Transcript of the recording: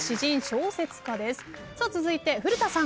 続いて古田さん。